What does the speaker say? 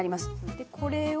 でこれを。